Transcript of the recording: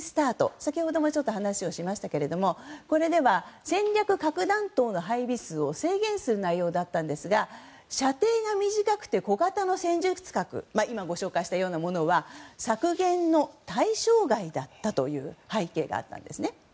先ほどもちょっと話をしましたがこれで、戦略核弾頭の配備数を制限する内容でしたが射程が短くて小型の戦術核今ご紹介したようなものは削減の対象外だったという背景があったんです。